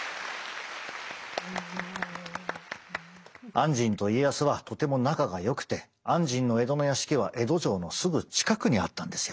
按針と家康はとても仲がよくて按針の江戸の屋敷は江戸城のすぐ近くにあったんですよ。